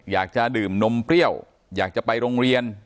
อยากจะดื่มนมเปรี้ยวอยากจะไปโรงเรียน